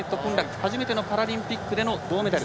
初めてパラリンピックでの銅メダル。